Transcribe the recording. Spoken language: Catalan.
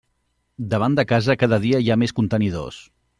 Davant de casa cada dia hi ha més contenidors.